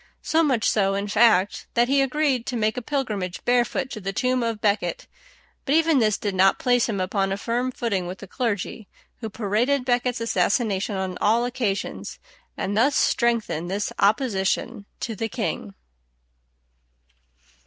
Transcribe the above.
So much so, in fact, that he agreed to make a pilgrimage barefoot to the tomb of à Becket; but even this did not place him upon a firm footing with the clergy, who paraded à Becket's assassination on all occasions, and thus strengthened this opposition to the king.